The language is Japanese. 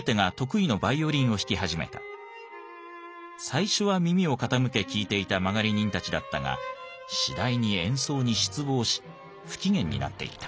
最初は耳を傾け聴いていた間借人たちだったが次第に演奏に失望し不機嫌になっていった。